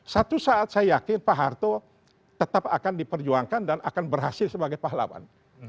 satu saat saya yakin pak harto tetap akan diperjuangkan dan akan berhasil sebagai pahlawan